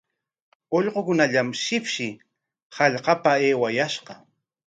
Ullqukunallam shipshi hallqapa aywayashqa.